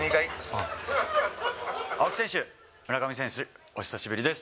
青木選手、村上選手、お久しぶりです。